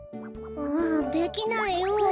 うんできないよ。